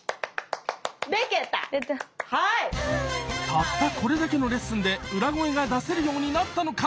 たったこれだけのレッスンで裏声が出せるようになったのか？